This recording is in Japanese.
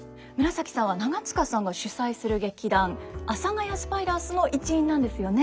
紫さんは長塚さんが主宰する劇団「阿佐ヶ谷スパイダース」の一員なんですよね。